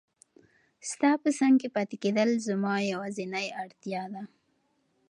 ستا په څنګ کې پاتې کېدل زما یوازینۍ اړتیا ده.